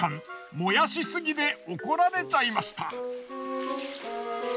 燃やしすぎで怒られちゃいました。